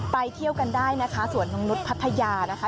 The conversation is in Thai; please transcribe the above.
เที่ยวกันได้นะคะสวนนกนุษย์พัทยานะคะ